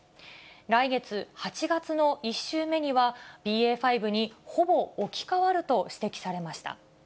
来月・８月の１週目には、ＢＡ．５にほぼ置き換わると指摘されました。